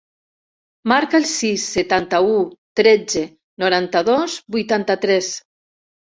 Marca el sis, setanta-u, tretze, noranta-dos, vuitanta-tres.